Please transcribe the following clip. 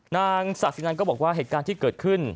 นางศาสินันก็บอกว่าเหตุการณ์ที่เกิดขึ้น